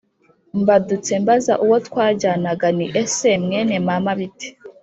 Mbadutse mbaza uwo twajyanaga Nti ese mwene Mama bite